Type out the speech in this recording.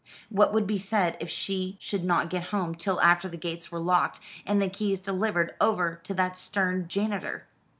What would be said if she should not get home till after the gates were locked, and the keys delivered over to that stern janitor?